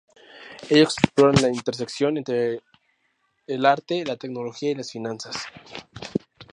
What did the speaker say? Ellos exploran la intersección entre el arte, la tecnología y las finanzas.